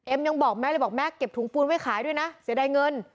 ยังบอกแม่เลยบอกแม่เก็บถุงปูนไว้ขายด้วยนะเสียดายเงิน